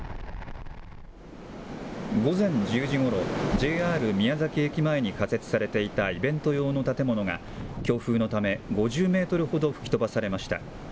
午前１０時ごろ、ＪＲ宮崎駅前に仮設されていたイベント用の建物が、強風のため、５０メートルほど吹き飛ばされました。